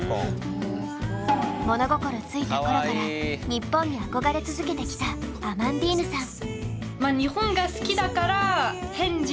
物心付いた頃から日本に憧れ続けてきたアマンディーヌさん。